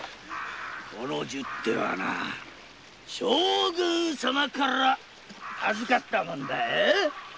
この十手はな将軍様から預かったもんだ。